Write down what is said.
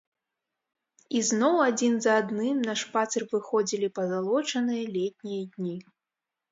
І зноў адзін за адным на шпацыр выходзілі пазалочаныя летнія дні.